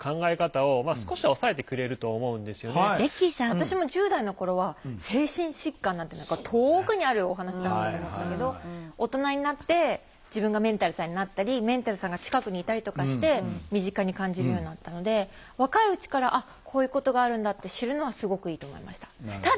私も１０代の頃は「精神疾患」なんて何か遠くにあるお話だと思ったけど大人になって自分がメンタルさんになったりメンタルさんが近くにいたりとかして身近に感じるようになったので若いうちからあっこういうことがあるんだって知るのはすごくいいと思いました。